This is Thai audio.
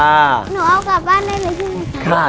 หนูเอากลับบ้านได้เลยใช่ไหมคะ